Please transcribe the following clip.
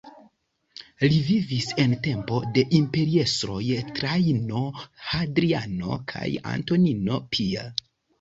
Li vivis en tempo de imperiestroj Trajano, Hadriano kaj Antonino Pia.